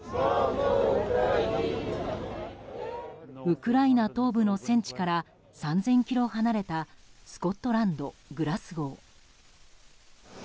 ウクライナ東部の戦地から３０００ｋｍ離れたスコットランド・グラスゴー。